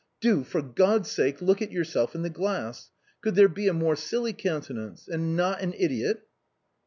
Do for God's sake look at yourself in the glass; could there be a more silly countenance ? and not an idiot